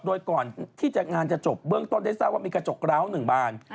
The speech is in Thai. โดยก่อนที่จะงานจะจบเบื้องต้นได้ทราบว่ามีกระจกร้าว๑บาน